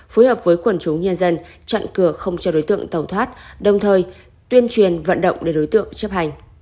phối hợp với quần chúng nhân dân chặn cửa không cho đối tượng tàu thoát đồng thời tuyên truyền vận động để đối tượng chấp hành